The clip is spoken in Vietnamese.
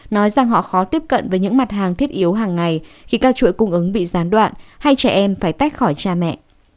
nói rằng họ khó tiếp cận với những mặt hàng thiết yếu hàng ngày khi các chuỗi cung ứng bị gián đoạn hay trẻ em phải tách khỏi cha mẹ